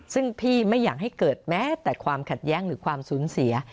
ซึ่งพี่ไม่อยากให้เกิดแม้แต่ความขัดแย้งหรือความสูญเสีย